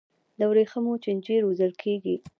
د ورېښمو چینجي روزل کیږي؟